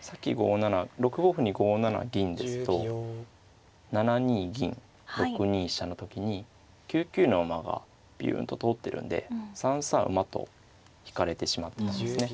さっき５七６五歩に５七銀ですと７二銀６二飛車の時に９九の馬がびゅんと通ってるんで３三馬と引かれてしまってたんですね。